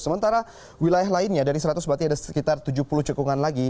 sementara wilayah lainnya dari seratus berarti ada sekitar tujuh puluh cekungan lagi